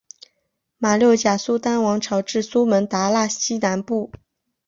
马六甲苏丹王朝至苏门答腊西南部。